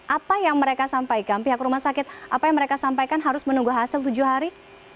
apa yang mereka sampaikan pihak rumah sakit apa yang mereka sampaikan harus menunggu hasil tujuh hari